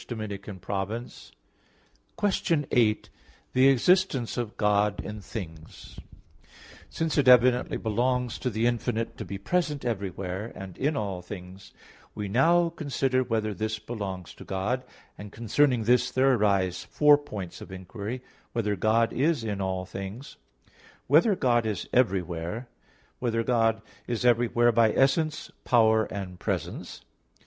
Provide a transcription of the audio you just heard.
_______________________ QUESTION 8 THE EXISTENCE OF GOD IN THINGS (In Four Articles) Since it evidently belongs to the infinite to be present everywhere, and in all things, we now consider whether this belongs to God; and concerning this there arise four points of inquiry: (1) Whether God is in all things? (2) Whether God is everywhere? (3) Whether God is everywhere by essence, power, and presence?